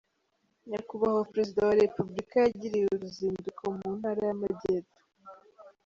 nyakubahwa perezida wa repubulika yagiriye uruzinduko mu ntara y'amajyepfo.